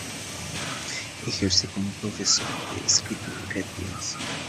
Ejerce como profesor de escrituras creativas.